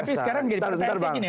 tapi sekarang jadi pertanyaan saya gini